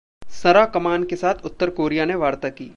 संरा कमान के साथ उत्तर कोरिया ने वार्ता की